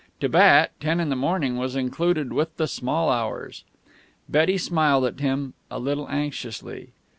To Bat ten in the morning was included with the small hours. Betty smiled at him, a little anxiously.